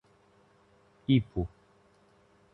Ipu